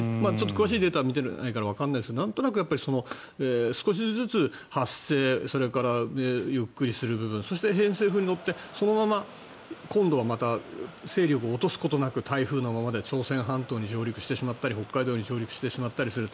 詳しいデータを見てないからわからないけどなんとなく少しずつ発生それからゆっくり進む分そして偏西風に乗ってそのまま今度は勢力を落とすことなく台風のままで朝鮮半島に上陸してしまったり北海道に上陸してしまったりする。